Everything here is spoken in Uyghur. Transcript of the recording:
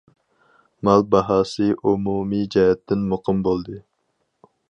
مال باھاسى ئومۇمىي جەھەتتىن مۇقىم بولدى.